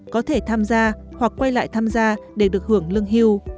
có thể tham gia hoặc quay lại tham gia để được hưởng lương hưu